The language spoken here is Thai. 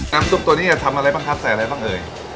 ซุปตัวนี้จะทำอะไรบ้างครับใส่อะไรบ้างเอ่ย